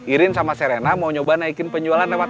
irin sama serena mau nyoba naikin penjualan lewat